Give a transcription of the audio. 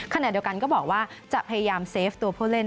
ขณะเดียวกันก็บอกว่าจะพยายามเซฟตัวผู้เล่น